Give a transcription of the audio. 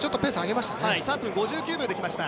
３分５９秒できました。